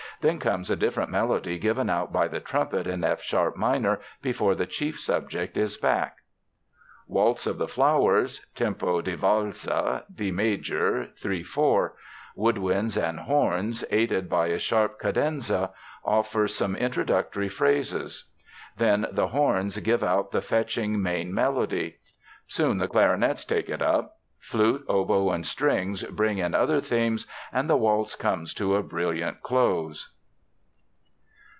Then comes a different melody given out by the trumpets in F sharp minor before the chief subject is back. Waltz of the Flowers (Tempo di valse, D major, 3 4). Woodwinds and horns, aided by a harp cadenza, offer some introductory phrases. Then the horns give out the fetching main melody. Soon the clarinets take it up. Flute, oboe, and strings bring in other themes, and the waltz comes to a brilliant close.